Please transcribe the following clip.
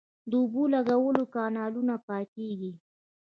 د اوبو لګولو کانالونه پاکیږي